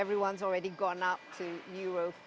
semua orang sudah meningkat ke euro empat